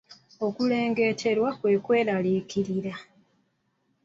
Okulengeterwa kwe kweraliikirira.